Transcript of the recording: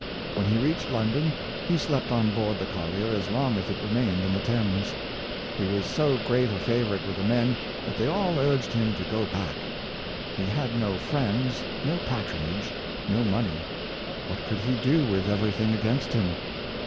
When he reached London, he slept on board the collier as long as it remained in the Thames. He was so great a favorite with the men, that they all urged him to go back. He had no friends, no patronage, no money! What could he do with everything against him.